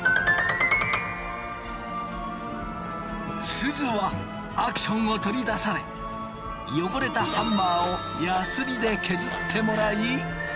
すずはアクションを取り出されよごれたハンマーをやすりで削ってもらい。